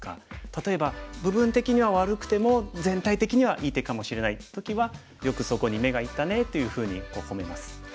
例えば部分的には悪くても全体的にはいい手かもしれない時は「よくそこに目がいったね」っていうふうにほめます。